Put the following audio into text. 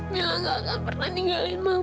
mila enggak akan pernah tinggalin mama